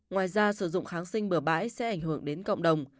ngoài ra sử dụng kháng sinh bừa bãi sẽ ảnh hưởng đến cộng đồng